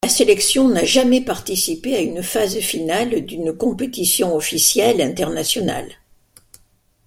La sélection n'a jamais participé à une phase finale d'une compétition officielle internationale.